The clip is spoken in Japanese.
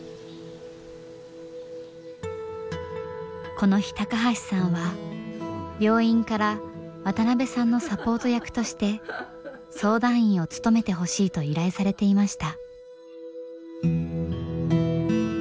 この日高橋さんは病院から渡邊さんのサポート役として相談員を務めてほしいと依頼されていました。